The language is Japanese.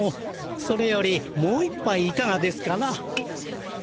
それよりもう一ぱいいかがですかな。